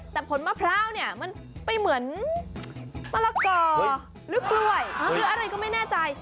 แต่ผลมะพร้าวเนี่ยมันไปเหมือนมะละกอหรือกล้วยหรืออะไรก็ไม่แน่ใจ